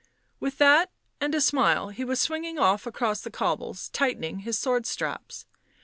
With that and a smile he was swinging off across the cobbles, tightening his sword straps.